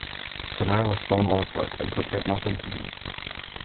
Celia was thrown out of work, and could get nothing to do.